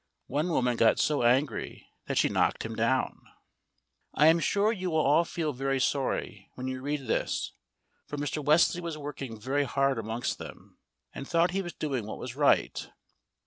One woman got so angry that she knocked him down. I am sure you will all feel very sorry when you read this, for Mr. Wesley was working very hard amongst them, and thought he was doing what was right.